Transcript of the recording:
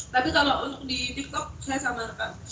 tapi kalau untuk di tiktok saya samarkan